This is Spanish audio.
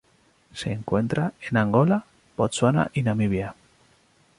Se encuentra en Angola, Botsuana y Namibia.